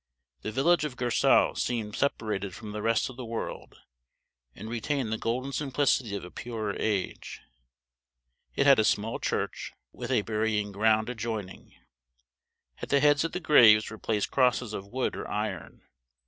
The village of Gersau seemed separated from the rest of the world, and retained the golden simplicity of a purer age. It had a small church, with a burying ground adjoining. At the heads of the graves were placed crosses of wood or iron.